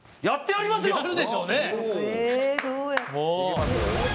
やってやりますよ。